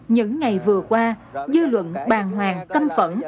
những ngày vừa qua dư luận bàn hoàng căm phẫn